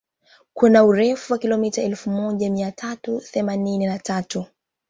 Kuna urefu wa kilomita elfu moja mia tatu themanini na tatu